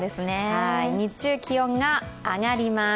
日中、気温が上がります。